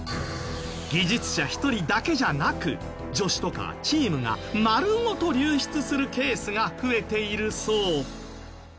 技術者一人だけじゃなく助手とかチームが丸ごと流出するケースが増えているそう。